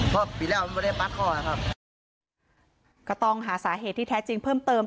เพราะปีแรกมันไม่ได้ปัดคอนะครับก็ต้องหาสาเหตุที่แท้จริงเพิ่มเติม